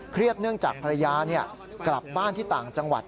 เนื่องจากภรรยากลับบ้านที่ต่างจังหวัด